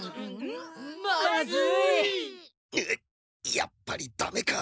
やっぱりダメか。